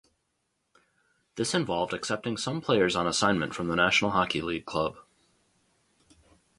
This involved accepting some players on assignment from the National Hockey League club.